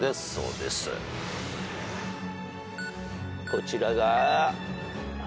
こちらが。